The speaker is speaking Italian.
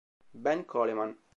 Ben Coleman